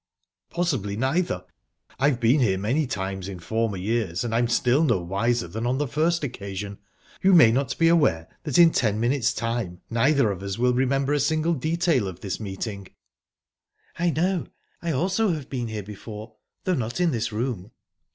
"Possibly neither. I've been here many times in former years, and I'm still no wiser than on the first occasion. You may not be aware that in ten minutes' time neither of us will remember a single detail of this meeting?" "I know. I also have been here before, though not in this room."